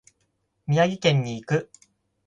宮城県に行く。